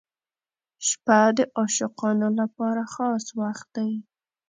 • شپه د عاشقانو لپاره خاص وخت دی.